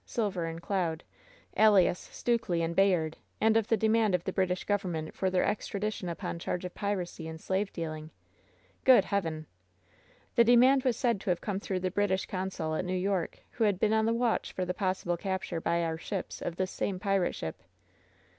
Silver and Cloud, alias Stukely and Bayard, 110 WHEN SHADOWS DIE and of the demand of the British Government for their extradition upon charge of piracy and slave dealing/' "Good Heaven 1" "The demand was said to have come through the Brit ish consul at New York, who had been on the watch for the possible capture by our ships of this same pirate ship."